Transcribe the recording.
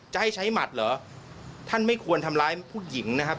จะให้ใช้หมัดเหรอท่านไม่ควรทำร้ายผู้หญิงนะครับ